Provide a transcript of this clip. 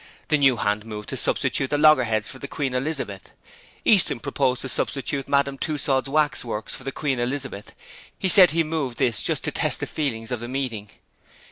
The new hand moved to substitute the Loggerheads for the Queen Elizabeth. Easton proposed to substitute Madame Tussaud's Waxworks for the Queen Elizabeth. He said he moved this just to test the feeling of the meeting.